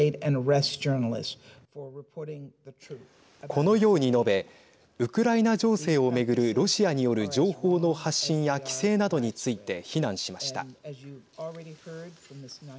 このように述べウクライナ情勢をめぐるロシアによる情報の発信や規制などについて非難しました。